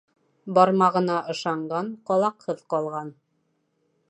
Бармағына ышанған ҡалаҡһыҙ ҡалған.